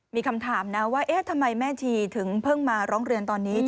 มีคำถามนะว่าเอ๊ะทำไมแม่ชีถึงเพิ่งมาร้องเรียนตอนนี้